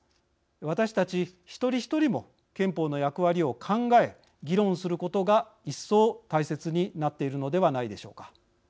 私たち一人一人も憲法の役割を考え議論することが一層、大切になっているのではないでしょうか。